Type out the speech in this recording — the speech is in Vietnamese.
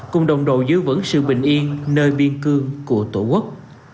cùng đồng đội giữ vững sự bình yên nơi biên cương của tổ quốc